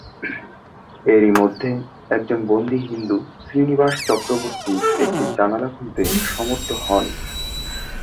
এরই মধ্যে, একজন বন্দী হিন্দু, শ্রীনিবাস চক্রবর্তী একটি জানালা খুলতে সমর্থ হন।